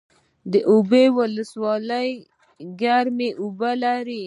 اوبې ولسوالۍ ګرمې اوبه لري؟